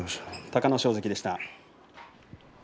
隆の勝関でした。